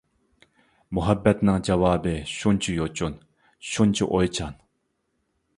مۇھەببەتنىڭ جاۋابى شۇنچە يوچۇن، شۇنچە ئويچان.